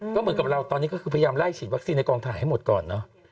ก็เหมือนกับเราตอนนี้ก็คือพยายามไล่ฉีดวัคซีนในกองถ่ายให้หมดก่อนเนอะ